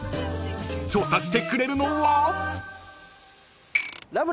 ［調査してくれるのは？］